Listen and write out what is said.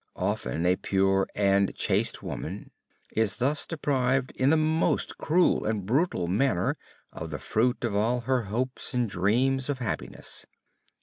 Often a pure and chaste woman is thus deprived in the most cruel and brutal manner of the fruit of all her hopes and dreams of happiness.